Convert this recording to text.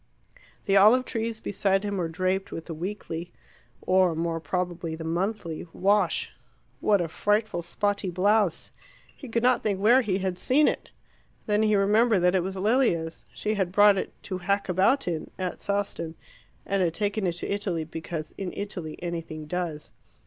The olive trees beside him were draped with the weekly or more probably the monthly wash. What a frightful spotty blouse! He could not think where he had seen it. Then he remembered that it was Lilia's. She had brought it "to hack about in" at Sawston, and had taken it to Italy because "in Italy anything does."